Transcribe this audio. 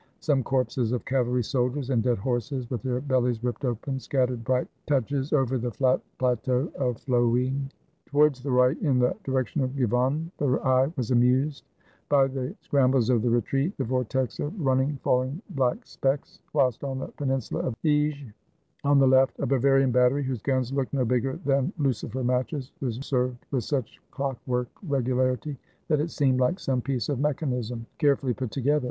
Some corpses of cavalry soldiers, and dead horses with their bellies ripped open, scattered bright touches over the plateau of Floing. Towards the right, in the direction of Givonne, the eye was amused by the scram bles of the retreat, the vortex of running, falling black specks; whilst on the peninsula of Iges, on the left, a Bavarian battery, whose guns looked no bigger than lucifer matches, was served with such clock work regu larity, that it seemed like some piece of mechanism, carefully put together.